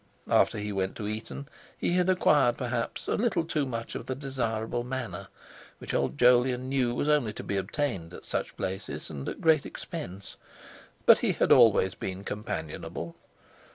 After he went to Eton he had acquired, perhaps, a little too much of that desirable manner which old Jolyon knew was only to be obtained at such places and at great expense; but he had always been companionable.